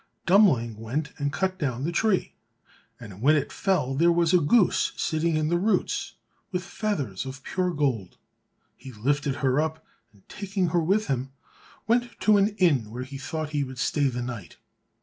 Dummling went and cut down the tree, and when it fell there was a goose sitting in the roots with feathers of pure gold. He lifted her up, and taking her with him, went to an inn where he thought he would stay the night.